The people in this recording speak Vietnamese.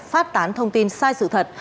phát tán thông tin sai sự thật